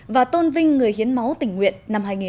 và tôn vinh người hiến máu tình nguyện năm hai nghìn một mươi chín